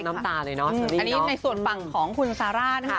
อันนี้ในส่วนฝั่งของคุณซาร่านะคะ